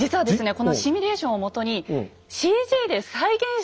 このシミュレーションをもとにＣＧで再現してみました。